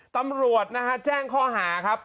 ตำรวจนะฮะแจ้งข้อหาครับ